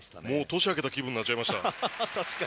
年明けた気分になっちゃいました。